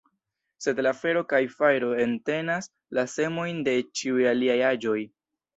Sed la fero kaj fajro entenas la semojn de ĉiuj aliaj aĵoj.